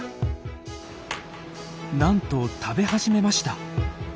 なんと食べ始めました。